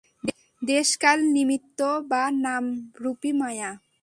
দেশ-কাল নিমিত্ত বা নাম-রূপই মায়া।